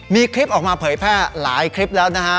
มีคลิปออกมาเผยแพร่หลายคลิปแล้วนะฮะ